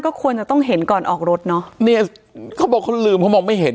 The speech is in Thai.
ก็ควรจะต้องเห็นก่อนออกรถเนอะเนี่ยเขาบอกเขาลืมเขามองไม่เห็น